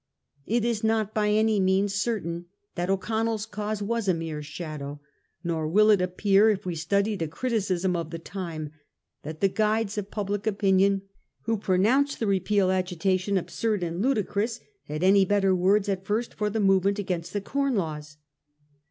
It is not by any means certain that O'Con nell's cause was a mere shadow ; nor will it appear, if we study the criticism of the time, that the guides of public opinion who pronounced the Repeal agita tion absurd and ludicrous had any better words at first for the movement against the Corn Laws.